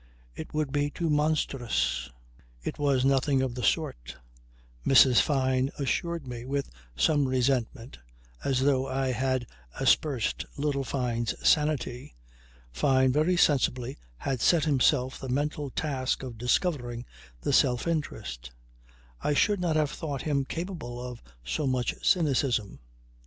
It would be too monstrous." It was nothing of the sort, Mrs. Fyne assured me with some resentment, as though I had aspersed little Fyne's sanity. Fyne very sensibly had set himself the mental task of discovering the self interest. I should not have thought him capable of so much cynicism.